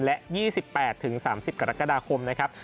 และ๒๘๓๐กรกฎาคมนะครับ